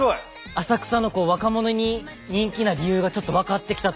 浅草の若者に人気な理由がちょっと分かってきたというか。